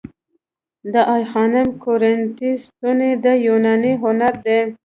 د آی خانم کورینتی ستونې د یوناني هنر دي